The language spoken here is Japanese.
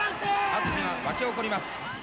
拍手が湧き起こります。